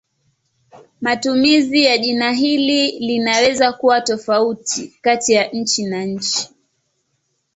Matumizi ya jina hili linaweza kuwa tofauti kati ya nchi na nchi.